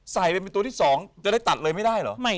ใส่ไปเป็นตัวที่๒จะได้ตัดเลยไม่ได้เหรอ